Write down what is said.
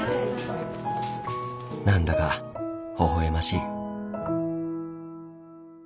何だかほほ笑ましい。